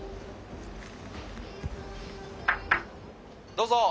「どうぞ」。